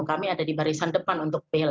kami ada di barisan depan untuk